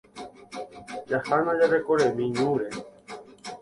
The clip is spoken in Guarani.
Jahána jarecorremi ñúre.